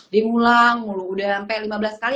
dia mulai mulu udah sampe lima belas kali